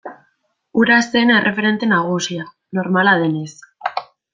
Hura zen erreferente nagusia, normala denez.